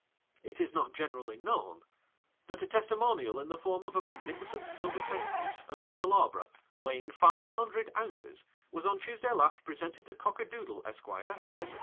It is not generally known that a testimonial in the form of a magni ficent silver centre piece and candelabra, weighing five hundred ounces, was on Tuesday last presented to Cocker Doodle, Enquire, F.S.A.